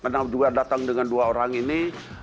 dan juga datang dengan dua orang ini